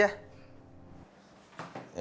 yaudah yuk deh